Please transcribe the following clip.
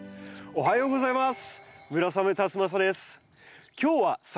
おはようございます！